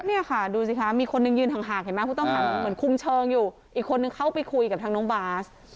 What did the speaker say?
นี่ค่ะดูสิคะมีคนนึงยืนทางห่างเหมือนคุมเชิงอยู่อีกคนนึงเข้าไปคุยกับทางน้องบาส